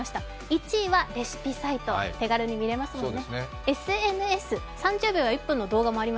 １位はレシピサイト、手軽に見られますよね。